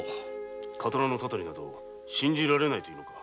刀のタタリなど信じられないと言うのか？